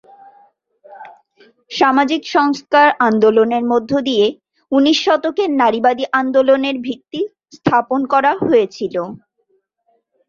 সামাজিক সংস্কার আন্দোলনের মধ্য দিয়ে ঊনিশ শতকের নারীবাদী আন্দোলনের ভিত্তি স্থাপন করা হয়েছিল।